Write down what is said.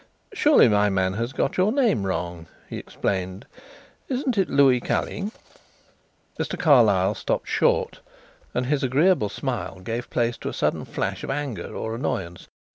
"Surely my man has got your name wrong?" he explained. "Isn't it Louis Calling?" Mr. Carlyle stopped short and his agreeable smile gave place to a sudden flash of anger or annoyance.